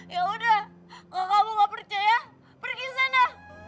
ya udah kamu gak percaya pergi sana